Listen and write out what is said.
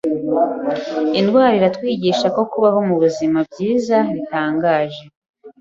Indwara iratwigisha ko kubaho mubuzima bwiza bitangaje